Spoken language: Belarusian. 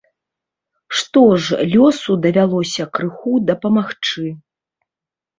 Што ж, лёсу давялося крыху дапамагчы.